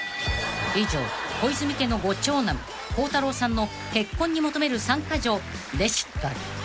［以上小泉家のご長男孝太郎さんの結婚に求める３カ条でした］